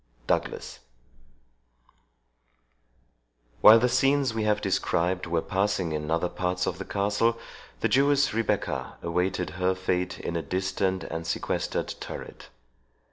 DOUGLAS While the scenes we have described were passing in other parts of the castle, the Jewess Rebecca awaited her fate in a distant and sequestered turret.